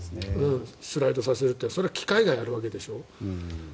スライドさせるってそれは機械がやるわけでしょ。